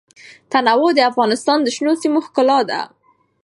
تنوع د افغانستان د شنو سیمو ښکلا ده.